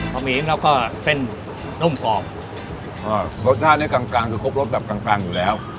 หมี่แล้วก็เส้นนุ่มกรอบอ่ารสชาติเนี้ยกลางกลางคือครบรสแบบกลางกลางอยู่แล้ว